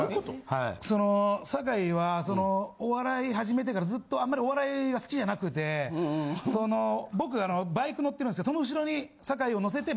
その坂井はそのお笑い始めてからずっとあんまりお笑いが好きじゃなくてその僕バイク乗ってるんですけどその後ろに。